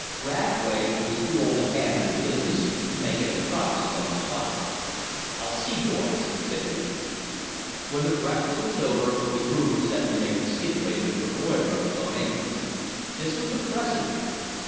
Radway was too old a hand at the business to make any promises on the spot. "I'll see, boys," said he. When the breakfast was over the crew were set to making skidways and travoy roads on eight. This was a precedent.